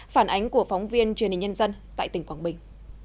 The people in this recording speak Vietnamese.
phản ánh của phóng viên truyền hình nhân dân tại tỉnh quảng bình